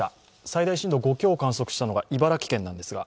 最大震度５強を観測したのが茨城県なんですが